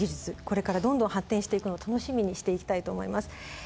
これからどんどん発展していくのを楽しみにしていきたいと思います。